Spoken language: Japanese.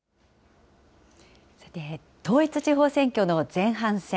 さて、統一地方選挙の前半戦。